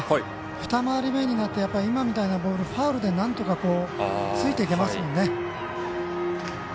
二回り目になると今みたいなボールはなんとかついていけますもんね。